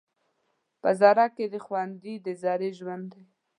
په ذره کې دې خوندي د ذرې ژوند دی